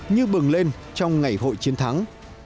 như bừng lên trong ngày hội chiến thắng